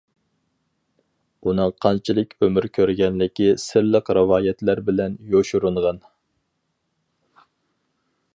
ئۇنىڭ قانچىلىك ئۆمۈر كۆرگەنلىكى سىرلىق رىۋايەتلەر بىلەن يوشۇرۇنغان.